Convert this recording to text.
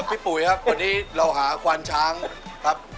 พี่ปุ๋อีครับพอดีเราหาควัญช้างครับ